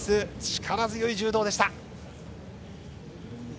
力強い柔道でした。